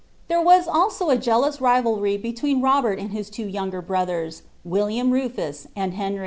There was nI»o a jealous rivalry between Robert and his two youager brnthers, Willioui Rnfua and Henr>